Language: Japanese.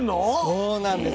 そうなんです。